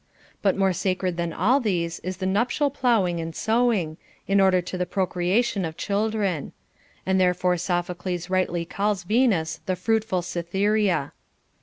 But more sacred than all these is the nuptial ploughing and sowing, in order to the procrea tion of children. And therefore Sophocles rightly calls Venus the fruitful Cytberea.